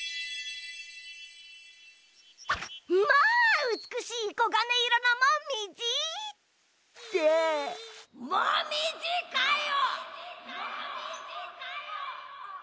まあうつくしいこがねいろのモミジ！ってモミジかよ！